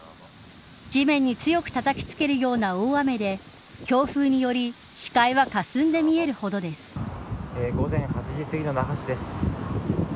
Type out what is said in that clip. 地面に強くたたきつけるような大雨で強風により、視界はかすんで午前８時すぎの那覇市です。